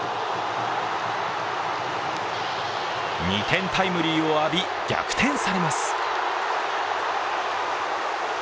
２点タイムリーを浴び、逆転されます。